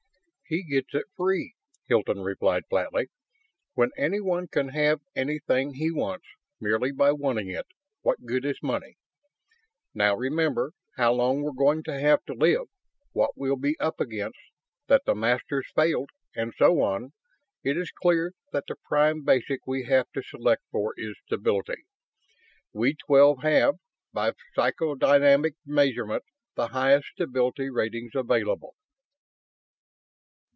"He gets it free," Hilton replied, flatly. "When anyone can have anything he wants, merely by wanting it, what good is money? Now, remembering how long we're going to have to live, what we'll be up against, that the Masters failed, and so on, it is clear that the prime basic we have to select for is stability. We twelve have, by psychodynamic measurement, the highest stability ratings available."